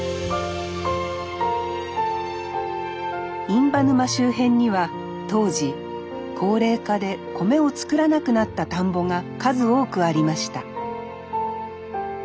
印旛沼周辺には当時高齢化で米を作らなくなった田んぼが数多くありました。